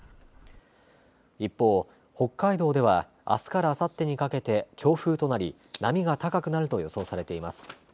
一方、北海道では、あすからあさってにかけて強風となり波が高くなると予想されています。